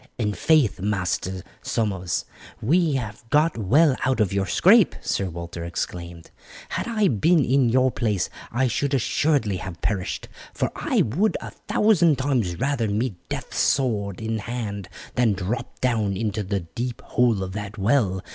"In faith, Master Somers, you have got well out of your scrape," Sir Walter exclaimed. "Had I been in your place I should assuredly have perished, for I would a thousand times rather meet death sword in hand, than drop down into the deep hole of that well.